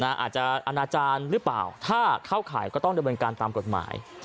อาณาจารย์หรือเปล่าถ้าเข้าข่ายก็ต้องดำเนินการตามกฎหมาย